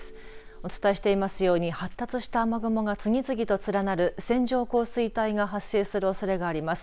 お伝えしていますように発達した雨雲が次々と連なる線状降水帯が発生するおそれがあります。